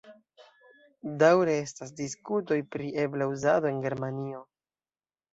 Daŭre estas diskutoj pri ebla uzado en Germanio.